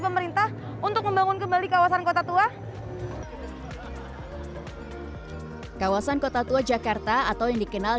pemerintah untuk membangun kembali kawasan kota tua kawasan kota tua jakarta atau yang dikenal